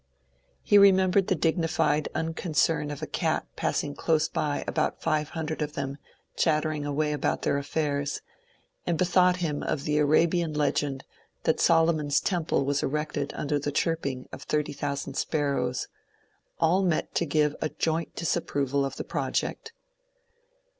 He remembered the dignified unconcern of a cat passing close by about five hundred of them chattering away about their affairs, and bethought him of the Arabian legend that Solomon's temple was erected under the chirping of 30,000 sparrows, —^^ all met to give a joint disapproval of the project."